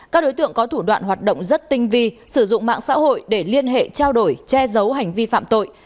các đối tượng có thủ đoạn hoạt động rất tinh vi sử dụng mạng xã hội để liên hệ trao đổi che giấu hành vi phạm tội